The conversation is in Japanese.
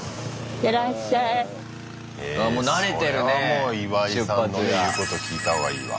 もう岩井さんの言うこと聞いた方がいいわ。